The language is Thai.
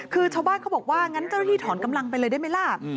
คือชาวบ้านเขาบอกว่างั้นเจ้าหน้าที่ถอนกำลังไปเลยได้ไหมล่ะ